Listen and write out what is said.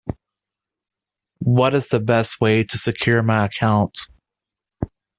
What is the best way to secure my account?